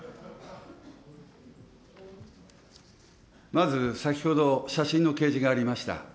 まず先ほど、写真の掲示がありました。